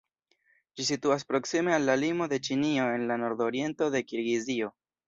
Ĝi situas proksime al la limo de Ĉinio en la nordoriento de Kirgizio.